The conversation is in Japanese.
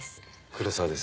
黒沢です。